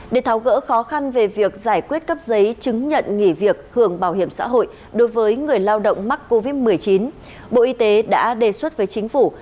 để tháo gỡ khó khăn về việc giải quyết cấp giấy chứng nhận nghỉ việc hưởng bảo hiểm xã hội đối với người lao động mắc covid một mươi chín bộ y tế đã đề xuất với chính phủ